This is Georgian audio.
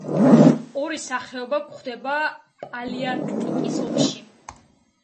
ორი სახეობა გვხვდება პალეარქტიკის ოლქში.